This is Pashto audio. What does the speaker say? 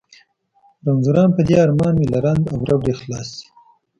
رنځوران په دې ارمان وي له رنځ او ربړې خلاص شي.